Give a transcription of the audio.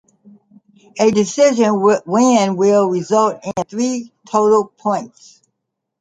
A decision win will result in three total points.